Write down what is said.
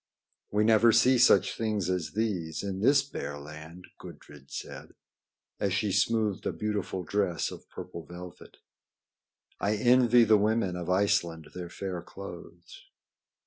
"We never see such things as these in this bare land," Gudrid said, as she smoothed a beautiful dress of purple velvet. "I envy the women of Iceland their fair clothes."